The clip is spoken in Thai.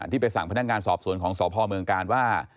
ไปสั่งพนักงานสอบสวนของสพเมืองกาลว่า